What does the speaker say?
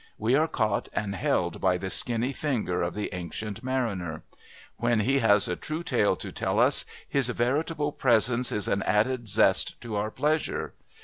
We are caught and held by the skinny finger of the Ancient Mariner. When he has a true tale to tell us his veritable presence is an added zest to our pleasure.